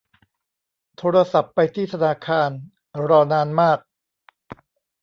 โทรศัพท์ไปที่ธนาคาร รอนานมาก